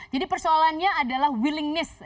jadi persoalannya adalah willingness